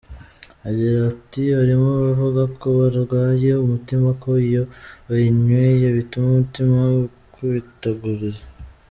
Agira ati “Harimo abavuga ko barwaye umutima ko iyo bayinyweye bituma umutima ukubitaguriza.